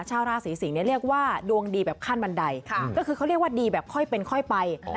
ชาวราศีสิงศ์เรียกว่าดวงดีแบบขั้นบันไดก็คือเขาเรียกว่าดีแบบค่อยเป็นค่อยไป